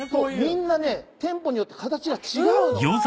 みんなね店舗によって形が違うの。